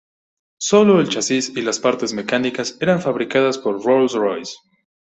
Solo el chasis y las partes mecánicas eran fabricadas por Rolls-Royce.